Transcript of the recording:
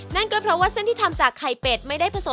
นั่นก็เพราะว่าเส้นที่ทำจากไข่เป็ดไม่ได้ผสม